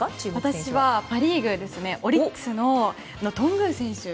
私はパ・リーグオリックスの頓宮選手。